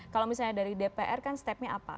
kalau misalnya dari dpr kan stepnya apa